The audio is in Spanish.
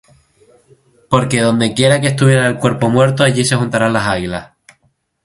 Porque donde quiera que estuviere el cuerpo muerto, allí se juntarán las águilas.